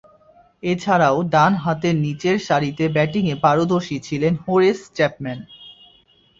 এছাড়াও, ডানহাতে নিচেরসারিতে ব্যাটিংয়ে পারদর্শী ছিলেন হোরেস চ্যাপম্যান।